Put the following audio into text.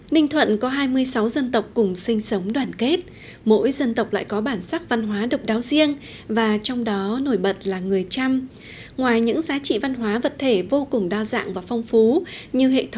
ninh thuận có hai mươi sáu dân tộc cùng sinh sống đoàn kết